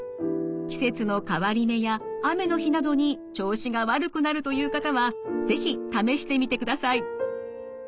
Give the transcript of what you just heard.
季節の変わり目や雨の日などに調子が悪くなるという方は是非試してみてください。